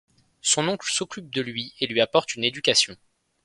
Son oncle s'occupe de lui, et lui apporte une éducation.